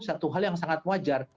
satu hal yang sangat wajar